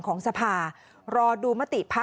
คุณสิริกัญญาบอกว่า๖๔เสียง